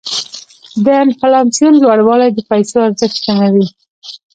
د انفلاسیون لوړوالی د پیسو ارزښت کموي.